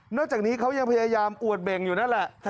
จากนี้เขายังพยายามอวดเบ่งอยู่นั่นแหละ